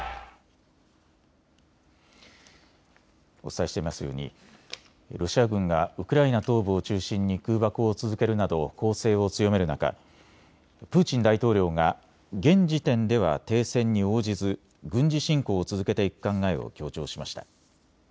お伝えしていますようにロシア軍がウクライナ東部を中心に空爆を続けるなど攻勢を強める中、プーチン大統領が現時点では停戦に応じず軍事侵攻を続けていく考えを強調しました。